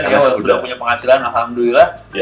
saya sudah punya penghasilan alhamdulillah